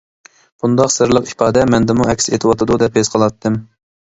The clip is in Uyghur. بۇنداق سىرلىق ئىپادە مەندىمۇ ئەكس ئېتىۋاتىدۇ دەپ ھېس قىلاتتىم.